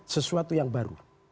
sesuatu yang baru